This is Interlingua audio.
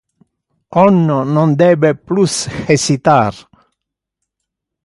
On non debe plus hesitar!